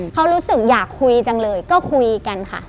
เขารู้สึกอยากคุยจังเลยก็คุยกันค่ะ